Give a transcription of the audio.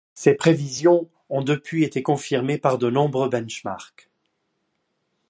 Ces prévisions ont depuis été confirmées par de nombreux benchmarks.